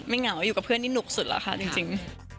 เหงาอยู่กับเพื่อนนี่หนุกสุดแล้วค่ะจริง